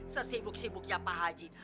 sesibuk sibuknya pak haji